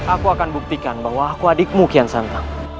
aku akan buktikan bahwa aku adikmu kian santai